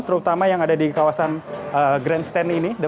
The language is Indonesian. terutama yang ada di kawasan grand stand ini